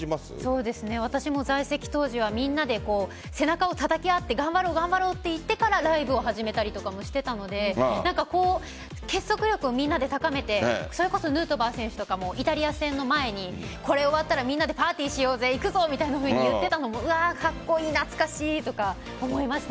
そうですね、私も在籍当時はみんなで背中をたたき合って頑張ろうって言ってからライブを始めたりとかもしていたので結束力をみんなで高めてそれこそヌートバー選手とかもイタリア戦の前にこれ終わったらみんなでパーティーしようぜ行くぞみたいなふうに言っていたのもカッコイイ懐かしいとか思いました。